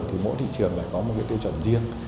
thì mỗi thị trường lại có một cái tiêu chuẩn riêng